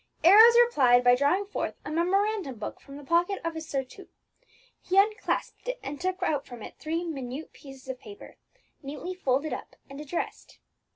Arrows replied by drawing forth a memorandum book from the pocket of his surtout. He unclasped it, and took out from it three minute pieces of paper, neatly folded up and addressed.